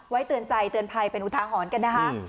เตือนใจเตือนภัยเป็นอุทาหรณ์กันนะคะ